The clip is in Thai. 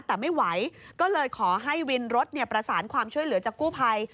แต่ไม่ไหวก็เลยขอให้วินรถประสานความช่วยเหลือจากกู้ภัย